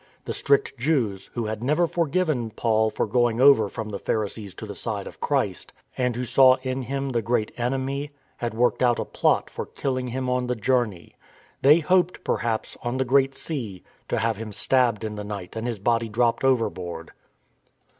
The strict Jews, who had never forgiven Paul for going over from the Phari THE FOILED PLOT 273 sees to the side of Christ and who saw in him the great enemy, had worked out a plot for kilhng him on the journey. They hoped, perhaps, on the Great Sea to have him stabbed in the night and his body dropped overboard.